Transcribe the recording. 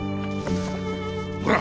ほら。